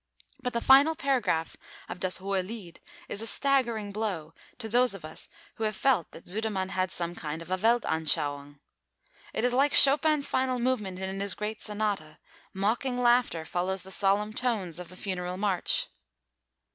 But the final paragraph of Das hohe Lied is a staggering blow to those of us who have felt that Sudermann had some kind of a Weltanschauung. It is like Chopin's final movement in his great Sonata; mocking laughter follows the solemn tones of the Funeral March.